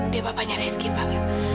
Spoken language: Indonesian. dia bapaknya rezeki pak